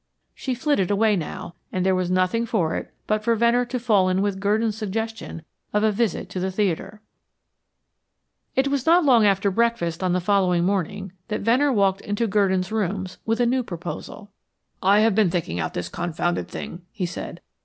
She flitted away now, and there was nothing for it but for Venner to fall in with Gurdon's suggestion of a visit to the theatre. It was not long after breakfast on the following morning that Venner walked into Gurdon's rooms with a new proposal. "I have been thinking out this confounded thing," he said.